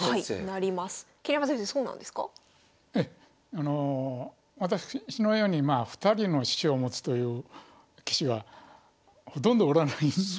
あの私のように２人の師匠を持つという棋士はほとんどおらないと思うんですけどね。